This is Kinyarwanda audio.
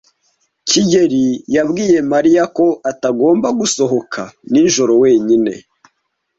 kigeli yabwiye Mariya ko atagomba gusohoka nijoro wenyine.